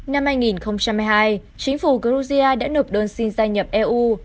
năm hai nghìn hai mươi hai chính phủ georgia đã nộp đơn xin gia nhập eu